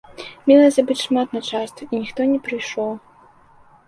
Мелася быць шмат начальства, і ніхто не прыйшоў.